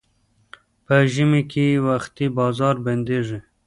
په ژمي کې وختي بازار بندېږي.